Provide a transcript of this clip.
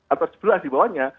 atau sebelas di bawahnya